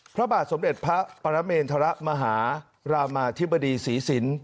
พระบาทสมเด็จพระปรเมนทรมหารามาธิบดีศรีสิน